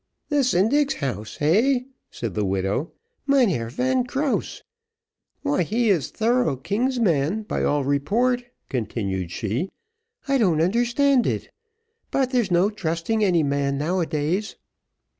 "The syndic's house heh!" said the widow, "Mynheer Van Krause. Why he is thorough king's man, by all report," continued she. "I don't understand it. But there is no trusting any man now a days.